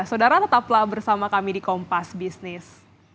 saudara tetaplah bersama kami di kompas bisnis